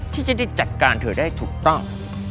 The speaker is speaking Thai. ที่จะได้จัดการเธอได้ถูกต้อง